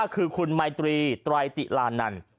คือคุณไมตรีตรติหลาน